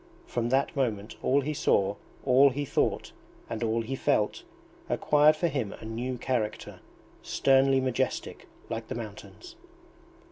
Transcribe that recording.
From that moment all he saw, all he thought, and all he felt, acquired for him a new character, sternly majestic like the mountains!